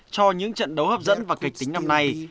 cho những trận đấu hấp dẫn và kịch tính năm nay